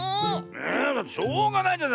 えだってしょうがないじゃない。